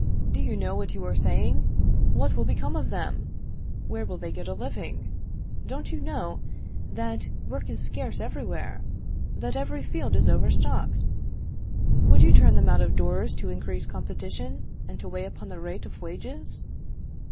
Do you know what you are saying? What will become of them? Where will they get a living? Don't you know that work is scarce everywhere? That every field is over stocked? Would you turn them out of doors to increase competition and to weigh upon the rate of wages?